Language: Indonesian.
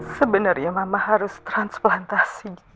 sebenernya mama harus transplantasi